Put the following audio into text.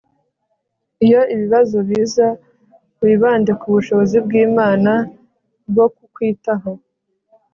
iyo ibibazo biza, wibande ku bushobozi bw'imana bwo kukwitaho